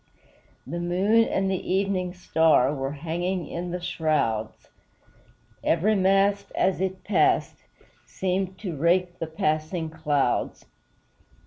The moon and the evening star Were hanging in the shrouds; Every mast, as it passed, Seemed to rake the passing clouds.